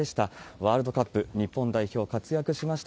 ワールドカップ日本代表、活躍しました。